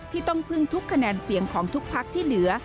ที่ต้องพึ่งทุกคะแนนเสียงของทุกพักที่เหลือ